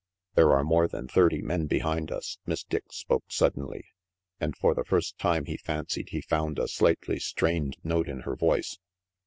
"There are more than thirty men behind us." Miss Dick spoke suddenly, and for the first time he fancied he found a slightly strained note in her voice.